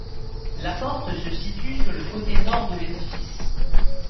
La porte se situe sur le côté nord de l'édifice.